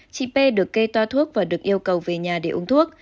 chị p được kê toa thuốc và được yêu cầu về nhà để uống thuốc